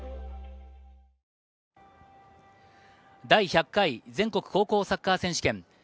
第１００回全国高校サッカー選手権。